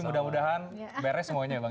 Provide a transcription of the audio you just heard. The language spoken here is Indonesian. mudah mudahan beres semuanya ya bang